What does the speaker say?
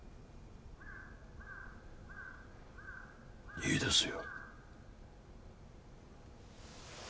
いいですよ。